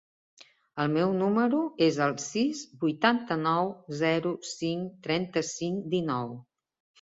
El meu número es el sis, vuitanta-nou, zero, cinc, trenta-cinc, dinou.